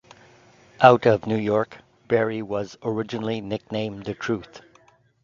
Out of New York, Berry was originally nicknamed The Truth.